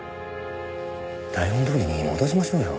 台本通りに戻しましょうよ。